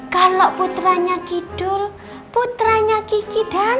kalau putranya kidul putranya kiki dan